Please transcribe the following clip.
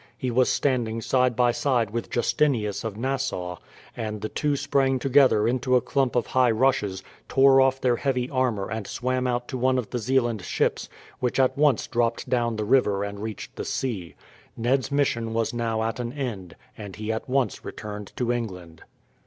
He was standing side by side with Justinius of Nassau, and the two sprang together into a clump of high rushes, tore off their heavy armour and swam out to one of the Zeeland ships, which at once dropped down the river and reached the sea. Ned's mission was now at an end, and he at once returned to England.